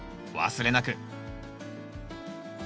お忘れなく！